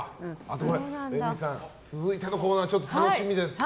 レミさん、続いてのコーナー楽しみです。